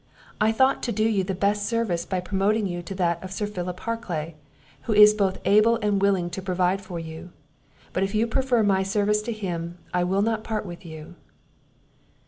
I thought to do you the best service by promoting you to that of Sir Philip Harclay, who is both able and willing to provide for you; but if you prefer my service to his, I will not part with you."